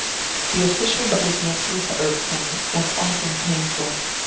The official business was irksome, and often painful.